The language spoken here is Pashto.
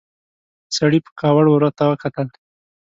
سړي په کاوړ ورته وکتل.